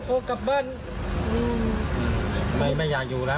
เขาหาพาเราไปทำอะไร